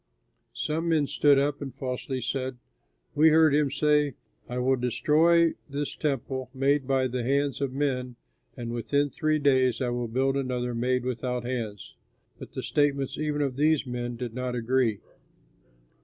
Some men stood up and falsely said, "We heard him say, 'I will destroy this temple made by the hands of men and within three days I will build another made without hands.'" But the statements even of these men did not agree.